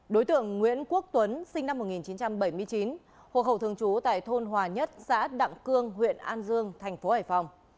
đối tượng nguyễn quốc tuấn sinh năm một nghìn chín trăm bảy mươi chín hộ khẩu thường trú tại thôn hòa nhất xã đặng cương huyện an dương thành phố hải phòng